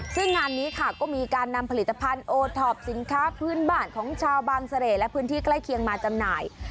ซึ่งงานนี้ค่ะก็มีการนำผลิตภัณฑ์โอท็อปสินค้าพื้นบ้านของชาวบางเสร่และพื้นที่ใกล้เคียงมาจำหน่าย